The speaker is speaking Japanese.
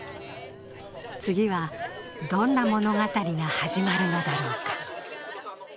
次はどんな物語が始まるのだろうか。